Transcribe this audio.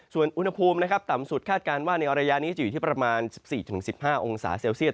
ส่วนอุณหภูมิต่ำสุดคาดการณ์ว่าในระยะนี้จะอยู่ที่ประมาณ๑๔๑๕องศาเซลเซียต